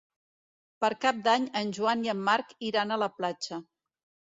Per Cap d'Any en Joan i en Marc iran a la platja.